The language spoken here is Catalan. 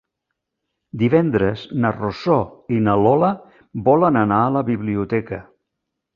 Divendres na Rosó i na Lola volen anar a la biblioteca.